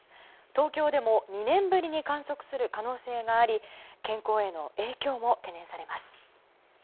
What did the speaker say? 東京でも２年ぶりに観測する可能性があり健康への影響も懸念されます。